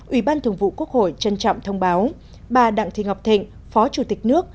ủy ban thường vụ quốc hội trân trọng thông báo bà đặng thị ngọc thịnh phó chủ tịch nước